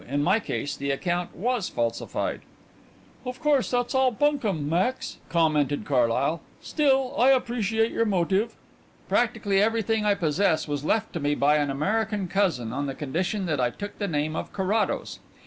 In my case the account was falsified." "Of course that's all bunkum, Max," commented Carlyle. "Still, I appreciate your motive." "Practically everything I possess was left to me by an American cousin, on the condition that I took the name of Carrados.